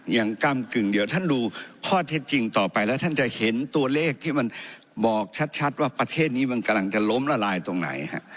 กำกึ่งเดี๋ยวท่านดูข้อเท็จจริงต่อไปแล้วท่านจะเห็นตัวเลขที่มันบอกชัดว่าประเทศนี้มันกำลังจะล้มละลายตรงไหนฮะ